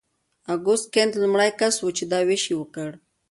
اګوست کنت لومړی کس و چې دا ویش یې وکړ.